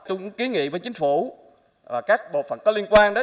chúng kiến nghị với chính phủ và các bộ phận có liên quan đó